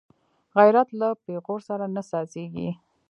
غیرت له پېغور سره نه سازېږي